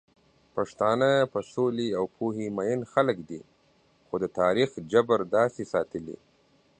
پښتانه په سولې او پوهې مئين خلک دي، خو د تاريخ جبر داسې ساتلي